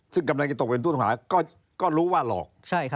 ซึ่งกำลังจะตกเป็นผู้ต้องหาก็รู้ว่าหลอก